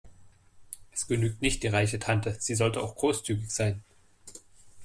Es genügt nicht die reiche Tante, sie sollte auch großzügig sein.